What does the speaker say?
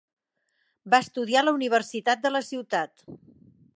Va estudiar en la universitat de la ciutat.